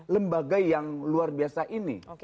lembaga yang luar biasa ini